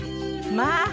まあ！